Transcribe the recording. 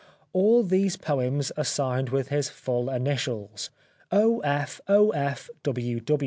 All these poems are signed with his full initials, " O. F. O. F.